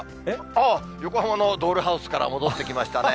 ああ、横浜のドールハウスから戻ってきましたね。